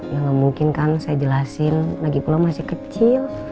ya nggak mungkin kan saya jelasin lagi pulau masih kecil